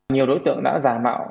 nhiều đối tượng đã giả mạo